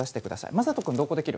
眞人君同行できる？